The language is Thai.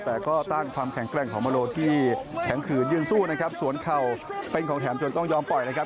แต่ก็ต้านความแข็งแกร่งของโมโลที่แข็งขืนยืนสู้นะครับสวนเข่าเป็นของแถมจนต้องยอมปล่อยนะครับ